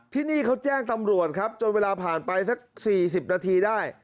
ที่นี่เขาแจ้งตำรวจครับจนเวลาผ่านไปสัก๔๐นาทีได้